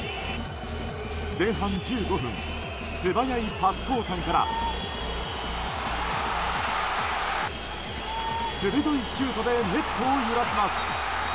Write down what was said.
前半１５分、素早いパス交換から鋭いシュートでネットを揺らします。